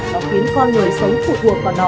nó khiến con người sống phụ thuộc vào nó